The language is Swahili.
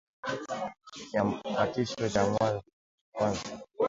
Kiambatisho cha kwanza